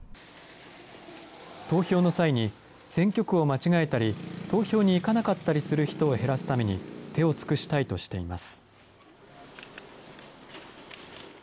投票の際に選挙区を間違えたり、投票に行かなかったりする人を減らすために、手を尽くしたいとしています。